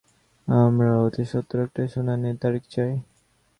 আমরা অতি সত্ত্বর একটা শুনানির তারিখ চাই।